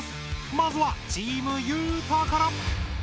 まずはチームゆうたから！